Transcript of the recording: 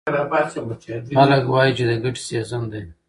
خلک وایي چې د ګټې سیزن دی.